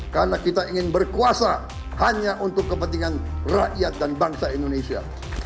karena kita ingin berkuasa hanya untuk kepentingan rakyat dan bangsa indonesia